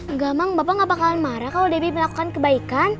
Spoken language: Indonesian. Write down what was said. nggak gamang bapak gak bakalan marah kalau debbie melakukan kebaikan